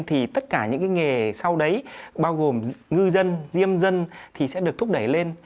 thì tất cả những nghề sau đấy bao gồm ngư dân diêm dân thì sẽ được thúc đẩy lên